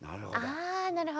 あなるほど。